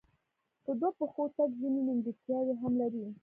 په دوو پښو تګ ځینې نیمګړتیاوې هم لري.